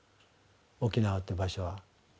沖縄って場所は。